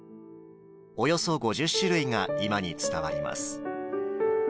およそ５０種類が今に伝わります。